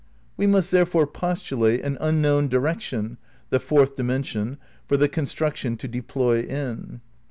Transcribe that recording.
We must therefore postulate an unknown direction (the fourth dimension) for the construc tion to deploy in.